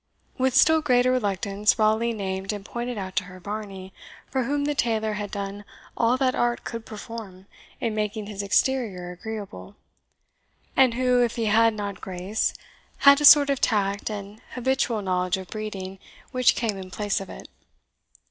With still greater reluctance Raleigh named and pointed out to her Varney, for whom the tailor had done all that art could perform in making his exterior agreeable; and who, if he had not grace, had a sort of tact and habitual knowledge of breeding, which came in place of it.